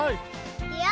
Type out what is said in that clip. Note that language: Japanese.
いくよ！